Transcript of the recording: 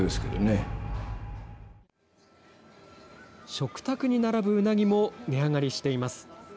食卓に並ぶうなぎも値上がりしています。